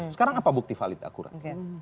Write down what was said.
sekarang apa bukti valid akurat